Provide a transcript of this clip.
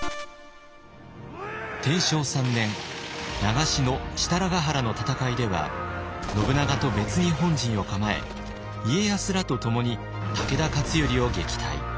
天正３年長篠・設楽原の戦いでは信長と別に本陣を構え家康らとともに武田勝頼を撃退。